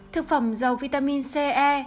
thực phẩm dầu vitamin c e